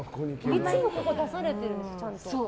いつもここを出されてるんですちゃんと。